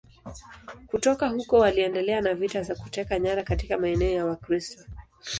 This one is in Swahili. Kutoka huko waliendelea na vita za kuteka nyara katika maeneo ya Wakristo.